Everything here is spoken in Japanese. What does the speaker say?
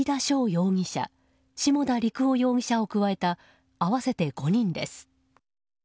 容疑者下田陸朗容疑者を加えた合わせて５人です。